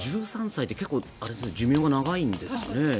１３歳って結構、寿命長いんですね。